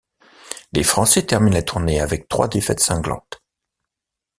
Les Français terminent la tournée avec trois défaites cinglantes.